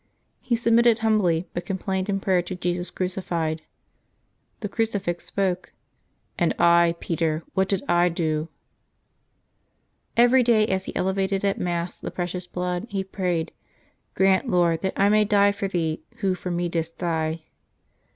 He submitted humbly, but complained in prayer to Jesus crucified. The crucifix spoke, ^^And I, Peter, what did I do ?" Every day, as he elevated at Mass the precious blood, he prayed, " Grant, Lord, that I may die for Thee, Who for me didst die."